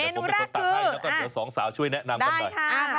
เมนูแรกคืออ่าได้ค่ะเดี๋ยวสองสาวช่วยแนะนำกันด้วย